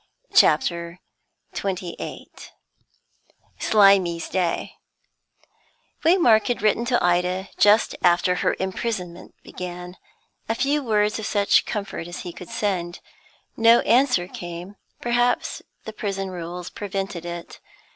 CHAPTER XXVIII SLIMY'S DAY Waymark had written to Ida just after her imprisonment began, a few words of such comfort as he could send. No answer came; perhaps the prison rules prevented it.